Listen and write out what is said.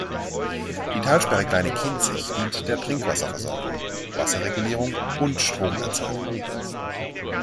Die Talsperre Kleine Kinzig dient der Trinkwasserversorgung, Wasserregulierung und Stromerzeugung.